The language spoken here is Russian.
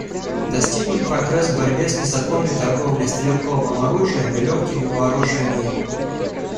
Достигнут прогресс в борьбе с незаконной торговлей стрелковым оружием и легкими вооружениями.